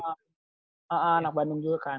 anak anak bandung juga kan